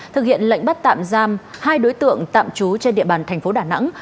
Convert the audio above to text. thực hiện lệnh bắt tạm giam hai đối tượng tạm trú trên địa bàn thành phố đà nẵng